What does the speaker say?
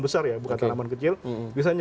besar ya bukan tanaman kecil biasanya